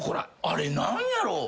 あれ何やろう。